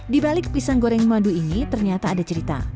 dibalik pisang goreng mandu ini ternyata ada cerita